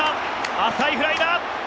浅いフライだ。